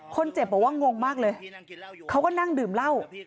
คนเจ็บบอกว่างงมากเลยเขาก็นั่งดื่มเหล้า